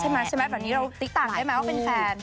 ใช่ไหมใช่ไหมแบบนี้เราติ๊กต่างได้ไหมว่าเป็นแฟน